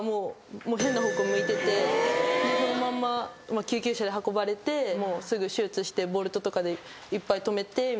そのまんま救急車で運ばれてすぐ手術してボルトとかでいっぱい留めてみたいな。